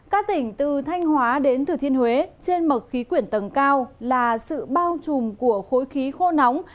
các tỉnh từ thanh hóa đến thừa thiên huế trên mực khí quyển tầng cao là sự bao trùm của khối khí khô nóng